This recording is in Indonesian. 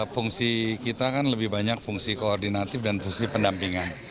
fungsi kita kan lebih banyak fungsi koordinatif dan fungsi pendampingan